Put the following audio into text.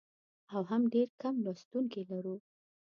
او هم ډېر کم لوستونکي لرو.